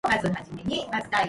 The term was coined by Zola.